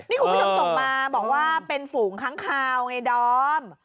นี่คุณผู้ชมส่งมาบอกว่าเป็นฝูงค้างคาวไงดอม